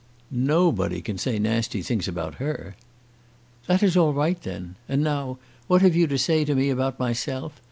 "Nobody can say nasty things about her." "That is all right, then. And now what have you to say to me about myself?